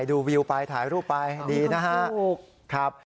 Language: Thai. ดูวิวไปถ่ายรูปไปดีนะฮะถูกครับ